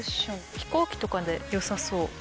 飛行機とかでよさそう。